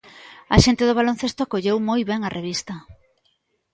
A xente do baloncesto acolleu moi ben a revista.